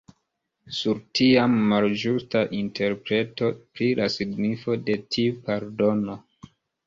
Sur tiama malĝusta interpreto pri la signifo de tiu pardono.